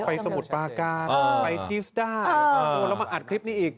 สมุทรปาการไปจิสด้าแล้วมาอัดคลิปนี้อีก